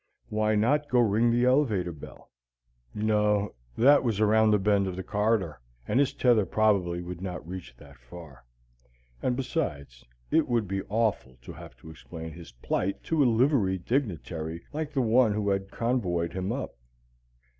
Why not go ring the elevator bell? No; that was around the bend of the corridor, and his tether probably would not reach that far; and, besides, it would be awful to have to explain his plight to a liveried dignitary like the one who had convoyed him up.